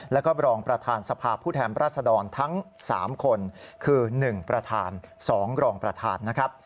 แล้วก็รองประธานสภาพผู้แทนรัศดรทั้ง๓คนคือ๑ประธาน๒รองประธานนะครับ